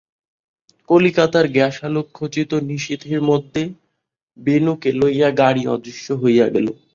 কলিকাতার গ্যাসালোকখচিত নিশীথের মধ্যে বেণুকে লইয়া গাড়ি অদৃশ্য হইয়া গেল।